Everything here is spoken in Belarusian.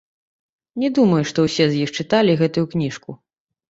Не думаю, што ўсе з іх чыталі гэтую кніжку.